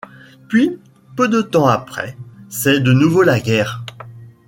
Puis, peu de temps après, c'est de nouveau la guerre.